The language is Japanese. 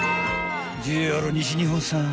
［ＪＲ西日本さん